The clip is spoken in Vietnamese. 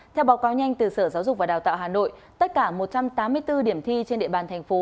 theo báo cáo nhanh từ sở giáo dục và đào tạo hà nội tất cả một trăm tám mươi bốn điểm thi trên địa bàn thành phố